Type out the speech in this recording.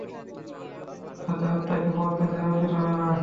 তার সাথে আত্মাকে মরতে দেওয়া উচিত হবে না।